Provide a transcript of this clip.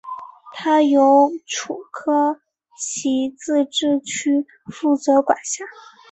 它由楚科奇自治区负责管辖。